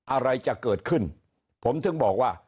อะไรจะเกิดขึ้นผมถึงบอกว่า